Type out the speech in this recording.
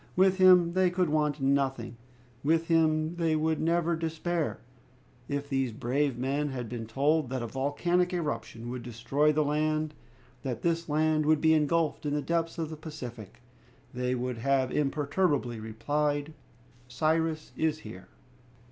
With him they could want nothing; with him they would never despair. If these brave men had been told that a volcanic eruption would destroy the land, that this land would be engulfed in the depths of the Pacific, they would have imperturbably replied, "Cyrus is here!"